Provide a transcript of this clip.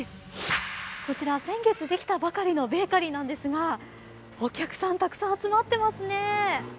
こちら、先月できたばかりのベーカリーですがお客さん、たくさん集まってますね